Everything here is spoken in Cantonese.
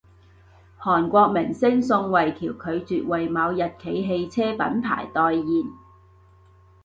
韓國明星宋慧喬拒絕爲某日企汽車品牌代言